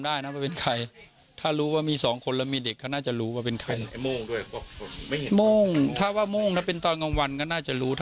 แล้วก็ตรวจสอบแหล่งที่มาของข่าว